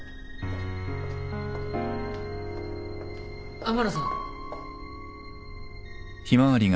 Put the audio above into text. ・天野さん。